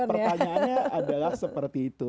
pertanyaannya adalah seperti itu